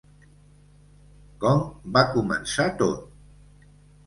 Com va començar tot?